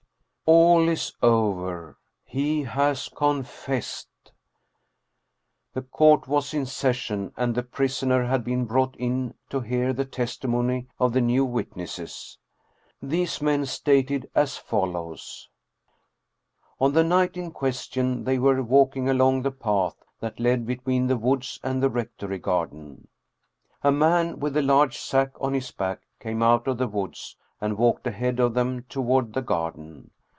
All is over. He has confessed. The court was in session and the prisoner had been brought in to hear the testimony of the new witnesses. These men stated as follows: On the night in question they were walking along the path that led between the woods and the rectory garden. A man with a large sack on his back came out of the woods and walked ahead of them toward the garden.